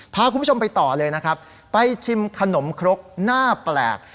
พาคุณผู้ชมไปต่อเลยนะครับไปชิมขนมครกหน้าแปลก